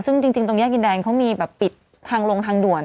ซึ่งจริงตรงแยกดินแดงเขามีแบบปิดทางลงทางด่วน